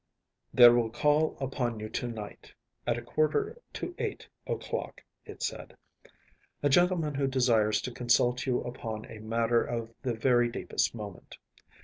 “There will call upon you to night, at a quarter to eight o‚Äôclock,‚ÄĚ it said, “a gentleman who desires to consult you upon a matter of the very deepest moment.